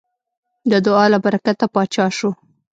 د دعا له برکته پاچا شو.